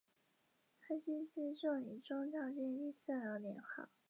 他的计划受到波金卡计划的启发。